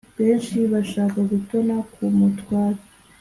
benshi bashaka gutona ku mutware